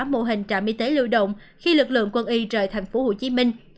mô hình trạm y tế lưu động khi lực lượng quân y rời tp hcm